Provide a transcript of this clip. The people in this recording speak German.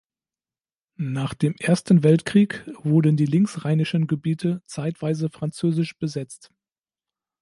Nach dem Ersten Weltkrieg wurden die linksrheinischen Gebiete zeitweise französisch besetzt.